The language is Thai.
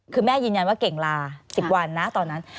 คือแม่ยืนยันว่าเก่งลา๑๐วันนะตอนนั้น